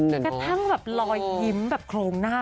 กระทั่งรอยยิ้มโครงหน้า